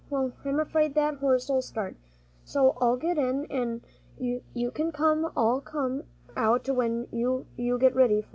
Well, I'm afraid that horse'll start, so I'll get in, an' you can all come out when you get ready."